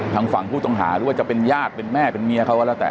ทางฝั่งผู้ต้องหาหรือว่าจะเป็นญาติเป็นแม่เป็นเมียเขาก็แล้วแต่